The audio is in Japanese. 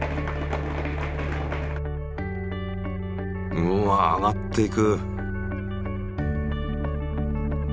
うわ上がっていく。